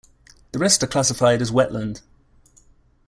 The rest are classified as wetland.